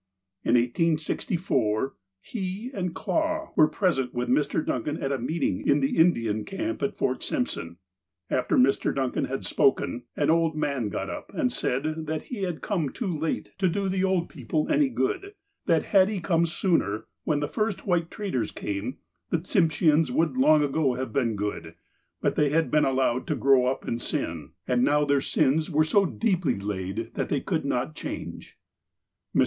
In 1864, he and Clah were present with Mr. Duncan at a meeting in the Indian camp at Fort Simpson. After Mr. Duncan had spoken, an old man got up and said that he had come too late to do the old people any good ; that had he come sooner, when the first white traders came, the Tsimsheaus would long ago have been good ; but they had been allowed to grow up in sin, and f:; <^ f^ ■^ J ^ J V <•^ o '"^«^ "v, "S LEGAIC 163 now their sins were so deeply laid that they could not change. Mr.